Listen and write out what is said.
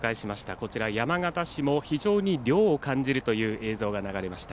こちら、山形市も非常に涼を感じるという映像が流れました。